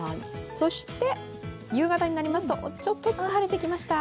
そして夕方になりますと、ちょっとずつ晴れてきました。